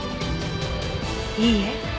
いいえ。